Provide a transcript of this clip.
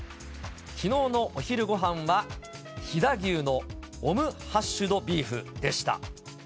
きのうのお昼ごはんは飛騨牛のオムハッシュドビーフでした。